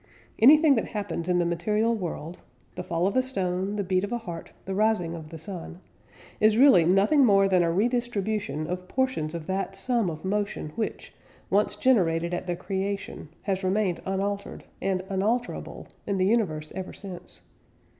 Anything that happens in the material world (the fall of a stone, the beat of a heart, the rising of the sun) is really nothing more than a redistribution of portions of that sum of motion which, once generated at the Creation, has remained unaltered, and unalterable, in the universe ever since.